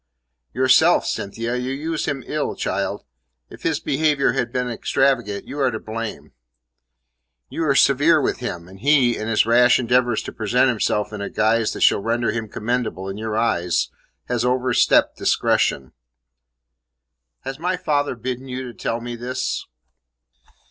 "Yourself, Cynthia. You use him ill, child. If his behaviour has been extravagant, you are to blame. You are severe with him, and he, in his rash endeavours to present himself in a guise that shall render him commendable in your eyes, has overstepped discretion." "Has my father bidden you to tell me this?"